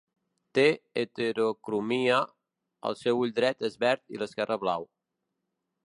Té heterocromia, el seu ull dret és verd i l'esquerre blau.